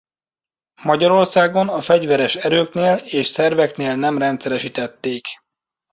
Magyarországon a fegyveres erőknél és szerveknél nem rendszeresítették.